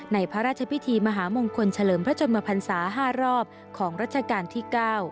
พระราชพิธีมหามงคลเฉลิมพระชนมพันศา๕รอบของรัชกาลที่๙